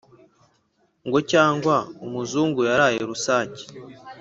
Ngo cyangwa umuzungu yaraye rusake